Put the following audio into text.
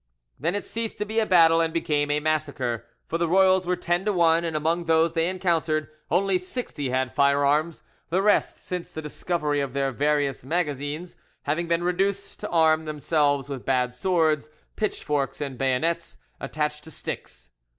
Then it ceased to be a battle and become a massacre, for the royals were ten to one; and among those they encountered, only sixty had firearms, the rest, since the discovery of their various magazines, having been reduced to arm themselves with bad swords, pitchforks, and bayonets attached to sticks.